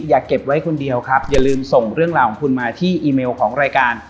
อย่าเก็บไว้คนเดียวครับอย่าลืมส่งเรื่องราวของคุณมาที่อีเมลของรายการ